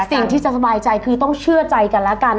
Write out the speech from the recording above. สิ่งที่จะสบายใจคือต้องเชื่อใจกันแล้วกัน